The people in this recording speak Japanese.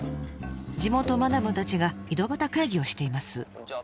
地元マダムたちが井戸端会議をしています。